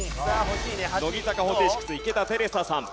乃木坂４６池田瑛紗さん。